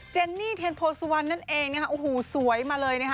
เจนนี่เทนโพสวันนั่นเองอูหูสวยมาเลยนะคะ